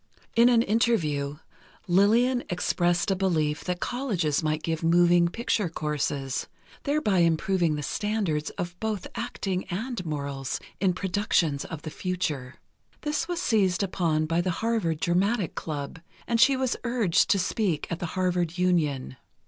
In an interview, Lillian expressed a belief that colleges might give moving picture courses, thereby improving the standards of both acting and morals in productions of the future. This was seized upon by the Harvard Dramatic Club, and she was urged to speak at the Harvard Union.